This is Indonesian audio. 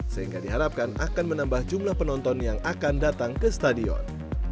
sehingga diharapkan akan menambah jumlah penonton yang akan datang ke stadion